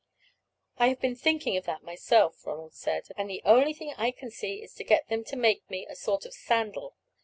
"I have been thinking of that myself," Ronald said, "and the only thing I can see is to get them to make me a sort of sandal.